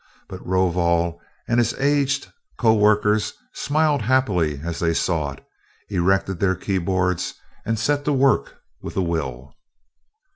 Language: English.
But Rovol and his aged co workers smiled happily as they saw it, erected their keyboards, and set to work with a will.